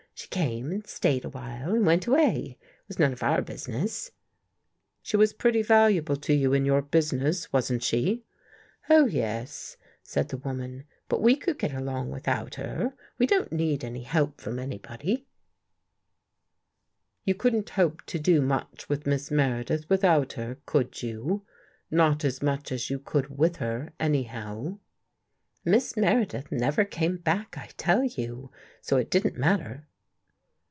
She came and stayed a while and went away. It was none of our business." " She was pretty valuable to you in your business, wasn't she? "" Oh, yes," said the woman, " But we could get along without her. We don't need any help from anybody." 133 THE GHOST GIRL " .You couldn't hope to do much with Miss Mere dith without her, could you? Not as much as you could with her, anyhow?" " Miss Meredith never came back, I tell you, so it didn't matter."